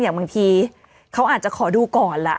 อย่างบางทีเขาอาจจะขอดูก่อนล่ะ